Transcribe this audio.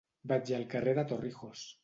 Vaig al carrer de Torrijos.